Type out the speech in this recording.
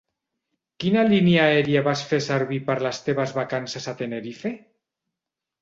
Quina línia aèria vas fer servir per les teves vacances a Tenerife?